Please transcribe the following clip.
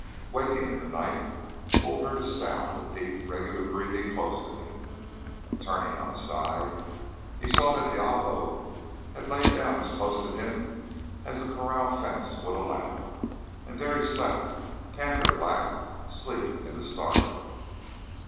Waking in the night, Bull heard a sound of deep, regular breathing close to him, and, turning on his side, he saw that Diablo had lain down as close to him as the corral fence would allow, and there he slept, panther black, sleek in the starlight.